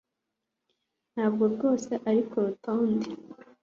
Ntabwo rwose uri kurutonde